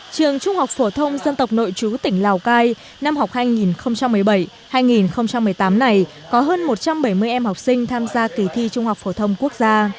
trường trung học phổ thông dân tộc nội chú tỉnh lào cai năm học hai nghìn một mươi bảy hai nghìn một mươi tám này có hơn một trăm bảy mươi em học sinh tham gia kỳ thi trung học phổ thông quốc gia